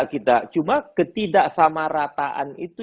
kita cuma ketidaksama rataan itu